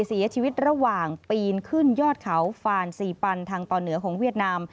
เสียชีวิตระหว่างปีนขึ้นยอดเขาฟานซีปันทางตอนเหนือของเวียดนาม